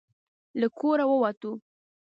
له کوره ووتو.